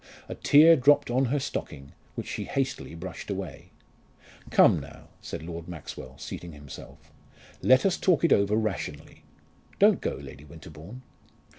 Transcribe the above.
A tear dropped on her stocking which she hastily brushed away. "Come, now," said Lord Maxwell, seating himself; "let us talk it over rationally. Don't go, Lady Winterbourne."